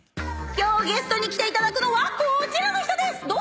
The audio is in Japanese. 今日ゲストに来ていただくのはこちらの人です。